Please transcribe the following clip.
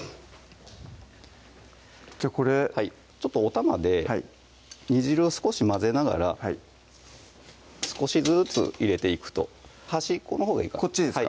これちょっとおたまで煮汁を少し混ぜながらはい少しずつ入れていくと端っこのほうがいいこっちですか？